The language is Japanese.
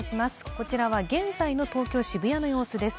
こちらは現在の東京・渋谷の様子です。